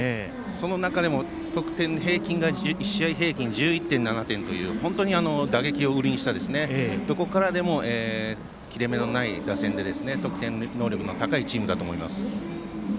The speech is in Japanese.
その中でも得点の１試合平均が１１．７点という本当に打撃を売りにした切れ目のない打線でどこからでも得点能力の高いチームだと思います。